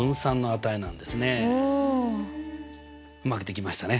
うまく出来ましたね。